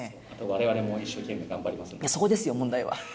われわれも一生懸命頑張りまそこですよ、問題は。